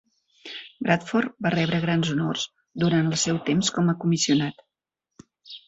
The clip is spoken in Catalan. Bradford va rebre grans honors durant el seu temps com a Comissionat.